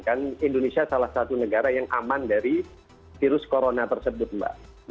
kan indonesia salah satu negara yang aman dari virus corona tersebut mbak